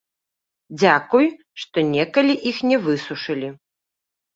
Дзякуй, што некалі іх не высушылі.